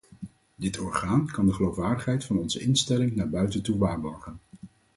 Dit orgaan kan de geloofwaardigheid van onze instelling naar buiten toe waarborgen.